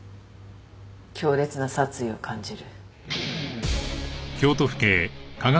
強烈な殺意を感じる。